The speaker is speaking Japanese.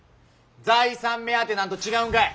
財産目当てなんと違うんかい？